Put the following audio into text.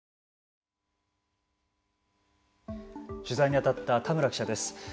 取材に当たった田村記者です。